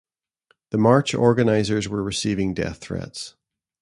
The March organisers were receiving death threats.